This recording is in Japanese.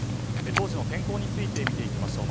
当時の天候について見ていきましょう。